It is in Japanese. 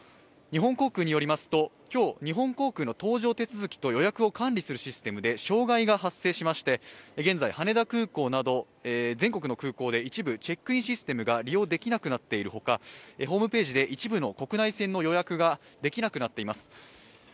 日本航空によりますと日本航空の搭乗と予約を管理するシステムで障害が発生しまして現在、羽田空港など全国の空港で一部、チェックインシステムが利用できなくなっているほかホームページで一部の国内線の予約ができなくなっています。